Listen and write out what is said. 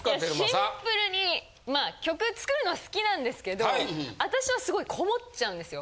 いやシンプルにまあ曲作るの好きなんですけど私はすごいこもっちゃうんですよ。